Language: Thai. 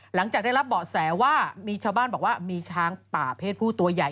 หลังจากได้รับเบาะแสว่ามีชาวบ้านบอกว่ามีช้างป่าเพศผู้ตัวใหญ่